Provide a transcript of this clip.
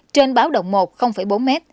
trên báo động một bốn m